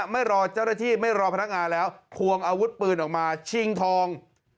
ไม่รอเจ้าหน้าที่ไม่รอพนักงานแล้วควงอาวุธปืนออกมาชิงทอง